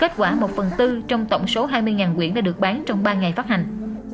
kết quả một phần tư trong tổng số hai mươi quyển đã được bán trong ba ngày phát hành